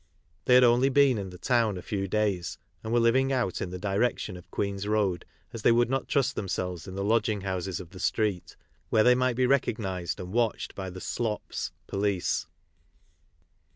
They had only been in the town a few davs, and were living out in the direction of Queen's road, as they w».<uld not trust themselves in the lodging houses of the Street, where they might be recognised and watched by the " slops " (police).